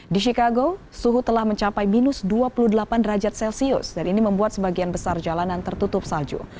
di chicago suhu telah mencapai minus dua puluh delapan derajat celcius dan ini membuat sebagian besar jalanan tertutup salju